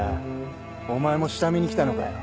お前も下見に来たのかよ。